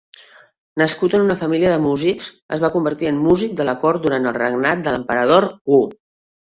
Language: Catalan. Nascut en una família de músics, es va convertir en un músic de la cort durant el regnat de l'emperador Wu.